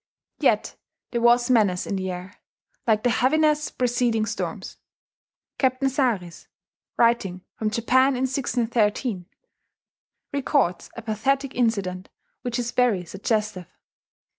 Yet there was menace in the air, like the heaviness preceding storms. Captain Saris, writing from Japan in 1613, records a pathetic incident which is very suggestive.